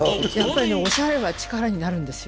おしゃれは力になるんですよ。